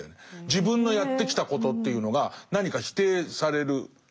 自分のやってきたことというのが何か否定されるような。